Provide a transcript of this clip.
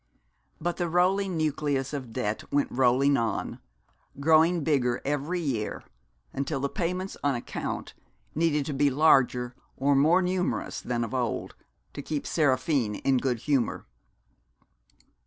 But the rolling nucleus of debt went rolling on, growing bigger every year until the payments on account needed to be larger or more numerous than of old to keep Seraphine in good humour.